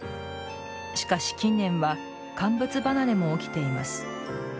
しかし、近年は「乾物離れ」も起きています。